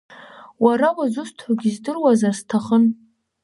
Уара узусҭоугьы здыруазар сҭахын.